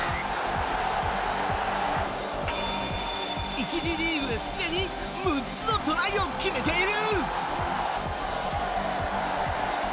１次リーグで、すでに６つのトライを決めている！